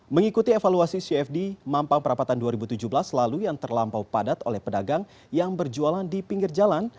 mengikuti evaluasi cfd mampang perapatan dua ribu tujuh belas lalu yang terlampau padat oleh pedagang yang berjualan di pinggir jalan